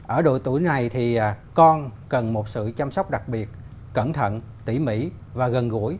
ở độ tuổi này thì con cần một sự chăm sóc đặc biệt cẩn thận tỉ mỉ và gần gũi